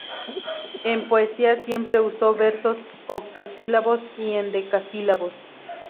En poesía siempre usó versos octosílabos y endecasílabos.